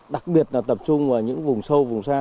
đặc biệt là tập trung vào những vùng sâu vùng xa